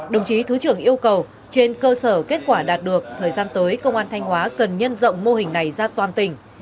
đồng chí thứ trưởng yêu cầu trên cơ sở kết quả đạt được thời gian tới công an thanh hóa cần nhân rộng mô hình này ra toàn tỉnh